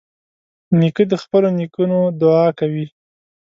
نیکه د خپلو نیکونو دعا کوي.